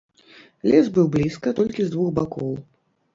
Лес быў блізка толькі з двух бакоў.